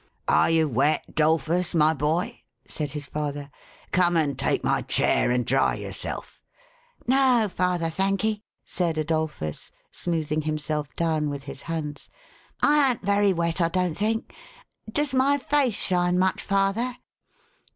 "Are you wet, 'Dolphus, my boy?" said his father. "Come and take my chair, and dry yourself." "No, father, thank'ee," said Adolphus, smoothing himself down with his hands. "I an't very wet, I don't think. Does my face shine much, father